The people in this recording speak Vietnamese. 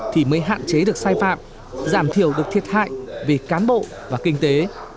thì mới hạn chế được sai phạm giảm thiểu được thiệt hại về cán bộ và kinh tế